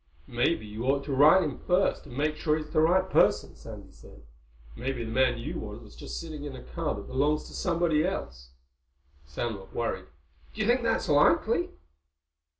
"Maybe you ought to write him first and make sure it's the right person," Sandy said. "Maybe the man you want was just sitting in a car that belongs to somebody else." Sam looked worried. "Do you think that's likely?"